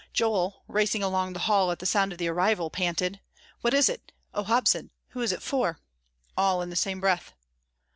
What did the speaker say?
Joel, racing along the hall at the sound of the arrival, panted, "What is it? Oh, Hobson, who is it for?" all in the same breath.